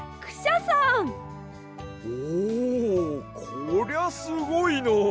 こりゃすごいの。